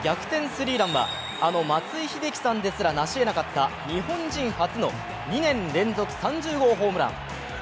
スリーランはあの松井秀喜さんですら成し得なかった日本人初の２年連続３０号ホームラン。